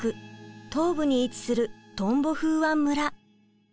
東部に位置するトンボフーワン村。